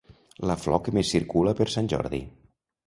La flor que més circula per sant Jordi.